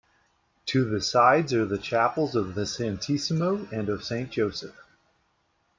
To the sides are the chapels of the Santisimo and of Saint Joseph.